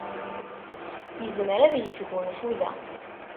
Yezmer ad yesgunfu da.